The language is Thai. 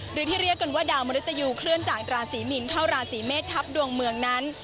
หรือที่เรียกกันว่าดาวมริตยูเคลื่อนจากราศีมินเข้าราศีเมษทัพดวงเมืองนั้น